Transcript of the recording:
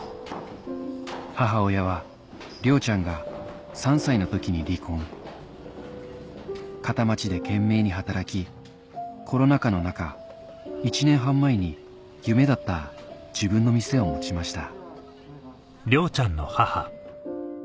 母親はりょうちゃんが３歳の時に離婚片町で懸命に働きコロナ禍の中１年半前に夢だった自分の店を持ちました